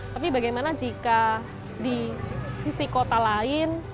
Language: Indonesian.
tapi bagaimana jika di sisi kota lain